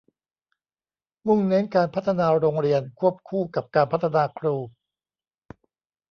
มุ่งเน้นการพัฒนาโรงเรียนควบคู่กับการพัฒนาครู